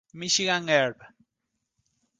Michigan Herb.